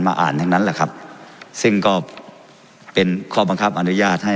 อ่านทั้งนั้นแหละครับซึ่งก็เป็นข้อบังคับอนุญาตให้